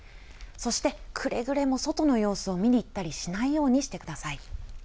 そして、くれぐれも外の様子を見に行ったりしないようにしてください。